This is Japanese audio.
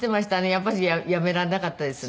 やっぱりやめられなかったですね。